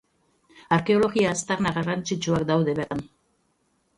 Arkeologia aztarna garrantzitsuak daude bertan.